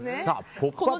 「ポップＵＰ！」